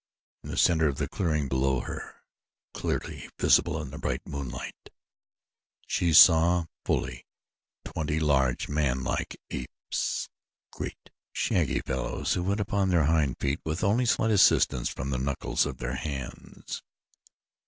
In the center of the clearing below her, clearly visible in the bright moonlight, she saw fully twenty huge, manlike apes great, shaggy fellows who went upon their hind feet with only slight assistance from the knuckles of their hands.